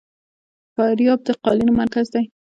فاریاب د قالینو مرکز دی